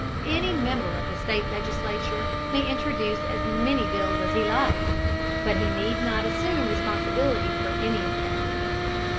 Any member of the state legislature may introduce as many bills as he likes, but he need not assume responsibility for any of them.